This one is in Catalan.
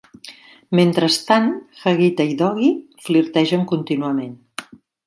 Mentrestant, Hagitha i Doughy flirtegen contínuament.